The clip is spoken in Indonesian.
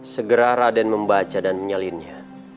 segera raden membaca dan menyalinnya